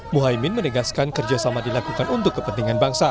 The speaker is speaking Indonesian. muhaymin menegaskan kerjasama dilakukan untuk kepentingan bangsa